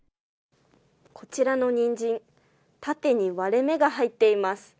こちらのにんじん、縦に割れ目が入っています。